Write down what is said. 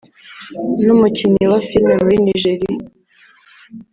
n’umukinnyi wa Filimi muri Nigeria